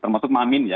termasuk mamin ya